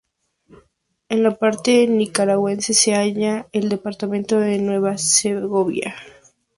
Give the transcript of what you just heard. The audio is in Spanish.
En la parte nicaragüense se halla en el departamento de Nueva Segovia.